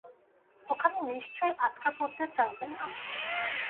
ওখানে নিশ্চয়ই আটকে পড়তে চাইবে না।